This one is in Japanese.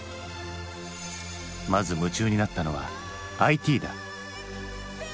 まず夢中になったのはＩＴだ。